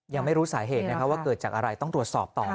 ยังไม่รู้สาเหตุว่าเกิดจากอะไรต้องตรวจสอบต่อ